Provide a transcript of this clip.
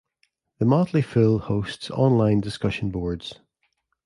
The Motley Fool hosts online discussion boards.